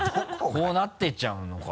こうなってっちゃうのか。